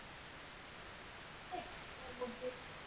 Mahendranath Gupta "master মশায়" নামে বেশি পরিচিত ছিলেন।